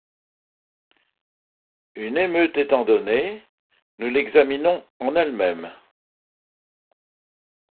Une émeute étant donnée, nous l'examinons en elle-même.